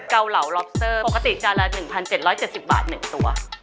เกาเหลาล็อบเซอร์ปกติจานละ๑๗๗๐บาท๑ตัว